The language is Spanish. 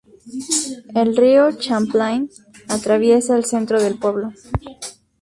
El Río Champlain atraviesa el centro del pueblo.